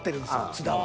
津田は。